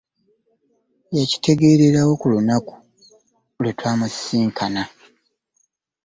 Yakitegererawo ku lunaku lwetamusisinkana .